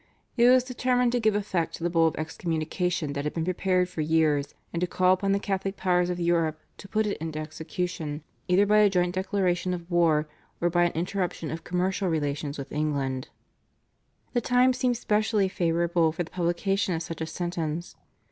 It was determined to give effect to the Bull of excommunication that had been prepared for years, and to call upon the Catholic powers of Europe to put it into execution either by a joint declaration of war, or by an interruption of commercial relations with England. The time seemed specially favourable for the publication of such a sentence.